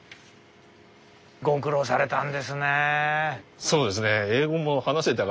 ご苦労されたんですね。